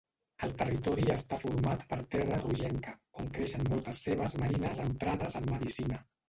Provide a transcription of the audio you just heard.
El territori està format per terra rogenca, on creixen moltes cebes marines emprades en medicina.